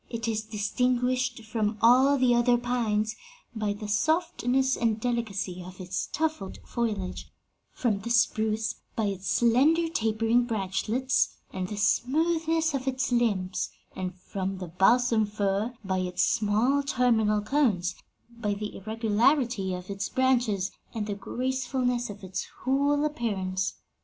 'It is distinguished from all the other pines by the softness and delicacy of its tufted foliage, from the spruce by its slender, tapering branchlets and the smoothness of its limbs, and from the balsam fir by its small terminal cones, by the irregularity of its branches and the gracefulness of its whole appearance.'